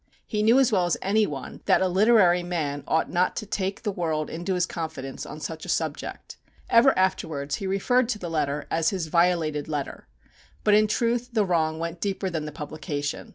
He knew as well as any one, that a literary man ought not to take the world into his confidence on such a subject. Ever afterwards he referred to the letter as his "violated letter." But, in truth, the wrong went deeper than the publication.